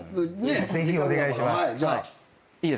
ぜひお願いします。